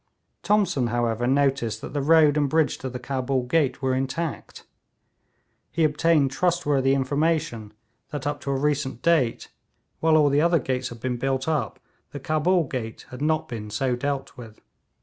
Thomson, however, noticed that the road and bridge to the Cabul gate were intact. He obtained trustworthy information that up to a recent date, while all the other gates had been built up, the Cabul gate had not been so dealt with.